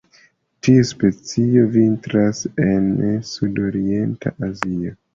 Tiu specio vintras en sudorienta Azio.